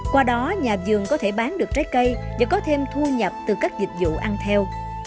qua đó nhà vườn có thể bán được trái cây và có thêm thu nhập từ các dịch vụ ăn theo